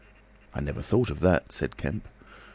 "I never thought of that," said Kemp.